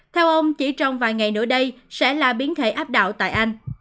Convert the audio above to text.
theo ông chỉ trong vài ngày nữa đây sẽ là biến thể áp đạo tại anh